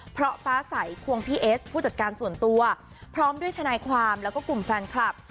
เพราะฟ้าใสควงพี่เอสผู้จัดการส่วนตัวพร้อมด้วยทนายความแล้วก็กลุ่มแฟนคลับ